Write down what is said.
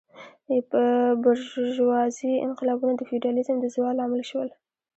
بورژوازي انقلابونه د فیوډالیزم د زوال لامل شول.